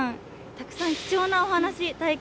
たくさん貴重なお話体験